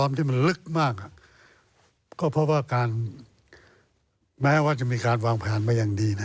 แม้ว่ามีการวางผลาลอยู่อย่างดี